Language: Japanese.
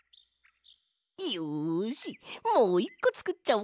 よしもう１こつくっちゃおうかな。